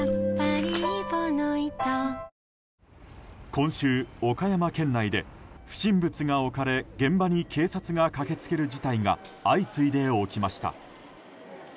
今週、岡山県内で不審物が置かれ現場に警察が駆け付ける事態が相次いで起きました。